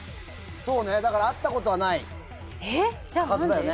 そうねだから会った事はないはずだよね。